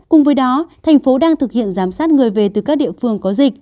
cùng với đó thành phố đang thực hiện giám sát người về từ các địa phương có dịch